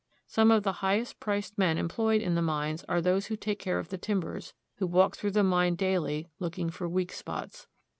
Some of the highest priced men employed in the mines are those who take care of the timbers, who walk through the mine daily, looking for weak spots.